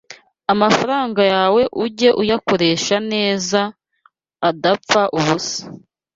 amafaranga yawe ujye uyakoreshaneza adapfaubusa